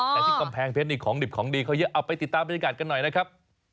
แต่ที่กำแพงเพชรนี่ของดิบของดีเขาเยอะเอาไปติดตามบรรยากาศกันหน่อยนะครับ